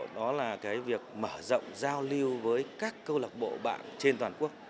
đó là cái việc mở rộng giao lưu với các câu lạc bộ bạn trên toàn quốc